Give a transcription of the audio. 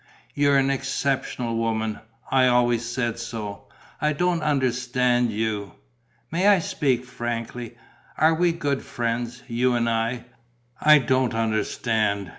You're an exceptional woman, I always said so. I don't understand you.... May I speak frankly? Are we good friends, you and I? I don't understand.